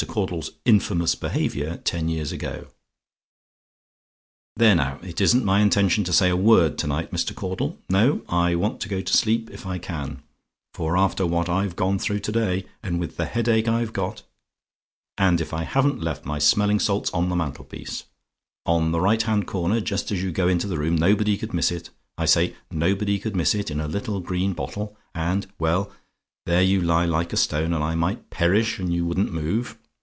CAUDLE'S "INFAMOUS BEHAVIOUR" TEN YEARS AGO "There now, it isn't my intention to say a word to night, Mr. Caudle. No; I want to go to sleep, if I can; for after what I've gone through to day, and with the headache I've got, and if I haven't left my smelling salts on the mantelpiece, on the right hand corner just as you go into the room nobody could miss it I say, nobody could miss it in a little green bottle, and well, there you lie like a stone, and I might perish and you wouldn't move.